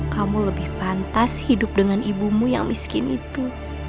kamu lebih pantas hidup dengan ibumu yang miskin itu